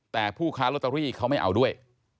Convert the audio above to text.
แต่ผู้ค้าลอตเตอรี่เขาไม่เอาด้วย